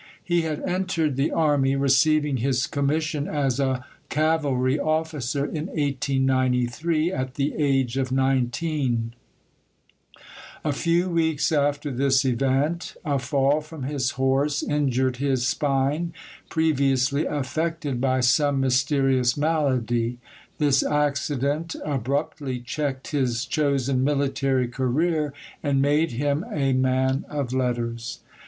He had entered the army, receiving his commission as a cavalry officer in 1893, at the age of nineteen; a few weeks after this event, a fall from his horse injured his spine, previously affected by some mysterious malady; this accident abruptly checked his chosen military career, and made him a man of letters.